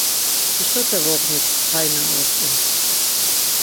Hişote vognit hay na ort̆i.